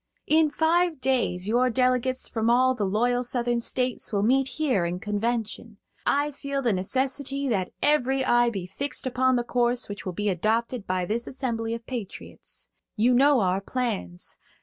"In five days your delegates from all the loyal Southern States will meet here in convention. I feel the necessity that every eye be fixed upon the course which will be adopted by this assembly of patriots. You know our plans.